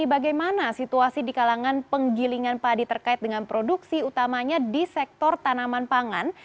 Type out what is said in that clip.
bagaimana situasi di kalangan penggilingan padi terkait dengan produksi utamanya di sektor tanaman pangan